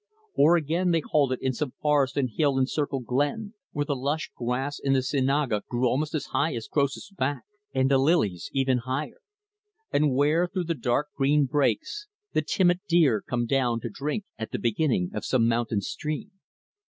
Or, again, they halted in some forest and hill encircled glen; where the lush grass in the cienaga grew almost as high as Croesus' back, and the lilies even higher; and where, through the dark green brakes, the timid deer come down to drink at the beginning of some mountain stream.